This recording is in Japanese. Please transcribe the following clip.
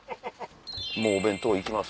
もうお弁当行きます？